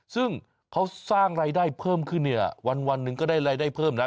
ซึ่งเขาสร้างรายได้เพิ่มขึ้นเนี่ยวันหนึ่งก็ได้รายได้เพิ่มนะ